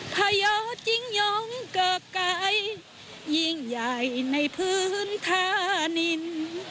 พยอจริงยงเกิกไก่ยิ่งใหญ่ในพื้นฐานิน